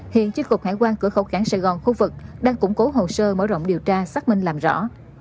hiện chiếc cục hải quan cửa khẩu cảng sài gòn khu vực đang củng cố hồ sơ mở rộng điều tra xác minh làm rõ